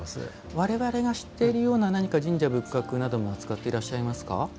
我々が知っているような何か神社仏閣なども扱っていらっしゃいますか。